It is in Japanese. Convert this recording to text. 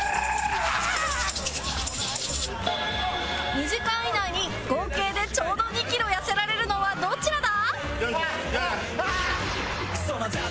２時間以内に合計でちょうど２キロ痩せられるのはどちらだ？